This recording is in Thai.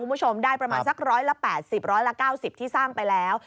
คุณผู้ชมได้ประมาณสัก๑๘๐ร้อยละ๙๐ที่สร้างไปแล้ว